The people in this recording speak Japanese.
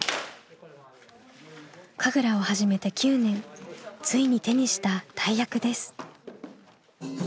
神楽を始めて９年ついに手にした大役です。